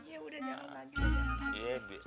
ya udah jangan lagi